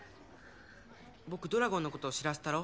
僕ドラゴンのこと知らせたろ？